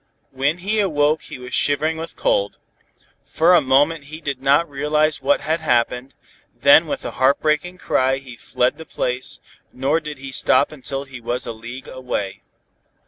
When he awoke he was shivering with cold. For a moment he did not realize what had happened, then with a heartbreaking cry he fled the place, nor did he stop until he was a league away.